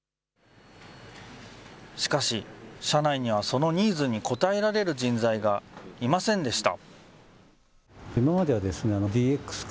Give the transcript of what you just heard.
しかし、社内にはそのニーズに応えられる人材がいませんでした。